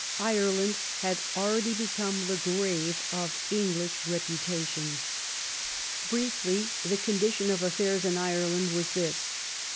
Ireland had already become the grave of English reputations. THE ALENfON MARRIAGE. 189 Briefly, the condition of affairs in Ireland was this.